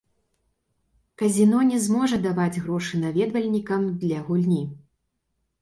Казіно не зможа даваць грошы наведвальнікам для гульні.